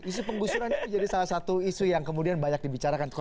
isu penggusuran ini menjadi salah satu isu yang kemudian banyak dibicarakan